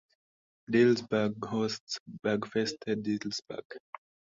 Dilsberg hosts Bergfeste Dilsberg.